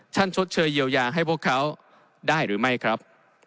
ชดเชยเยียวยาให้พวกเขาได้หรือไม่ครับ